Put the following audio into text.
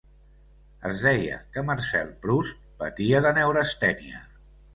Es deia que Marcel Proust patia de neurastènia.